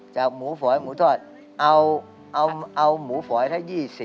หมูฝอยหมูทอดเอาหมูฝอยถ้า๒๐